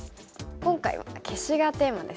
今回は消しがテーマですね。